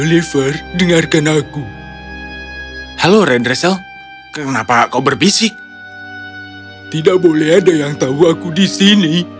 oliver dengarkan aku halo rendracel kenapa kau berbisik tidak boleh ada yang tahu aku disini